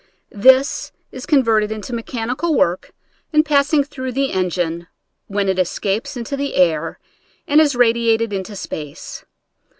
This is converted into mechanical work in passing through the engine, when it escapes into the air and is radiated into space.